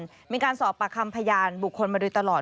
มีการสอบปากคำพยานบุคคลมาโดยตลอด